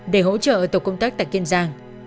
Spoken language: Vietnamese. để hỗ trợ tổ công tác tại kiên giang